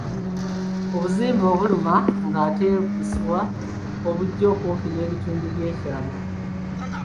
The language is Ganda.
Obuzimba obuluma ate nga busiiwa obujja okumpi n’ebitundu byekyama.